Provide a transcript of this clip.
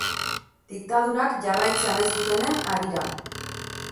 Diktadurak jarraitzea nahi zutenen harira.